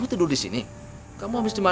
tidur di sana